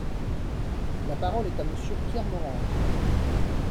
La parole est à Monsieur Pierre Morange.